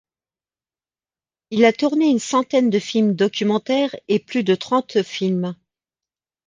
Il a tourné une centaine de films documentaires et plus de trente films.